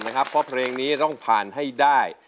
เพราะเพลงนี้ต้องผ่านให้ได้